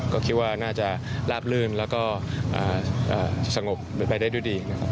ก็คิดว่าน่าจะราบลื่นแล้วก็สงบไปได้ด้วยดี